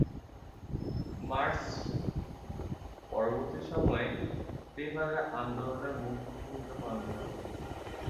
Mars পরবর্তী সময়ে তেভাগা আন্দোলনে মুখ্য ভূমিকা পালন করে।